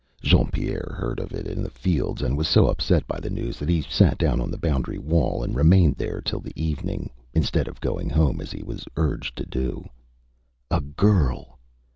Jean Pierre heard of it in the fields, and was so upset by the news that he sat down on the boundary wall and remained there till the evening, instead of going home as he was urged to do. A girl!